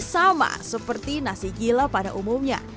sama seperti nasi gila pada umumnya